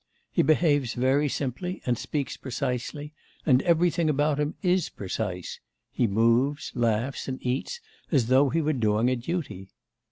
He behaves very simply and speaks precisely, and everything about him is precise; he moves, laughs, and eats as though he were doing a duty.